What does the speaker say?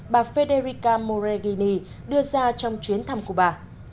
bà federica moreghini đưa ra trong chuyến thăm cuba